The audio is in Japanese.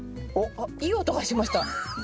あっいい音がしました。